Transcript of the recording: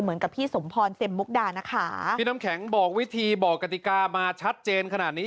เหมือนกับพี่สมพรเซ็มมุกดานะคะพี่น้ำแข็งบอกวิธีบอกกติกามาชัดเจนขนาดนี้